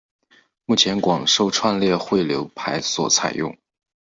目前广受串列汇流排所采用。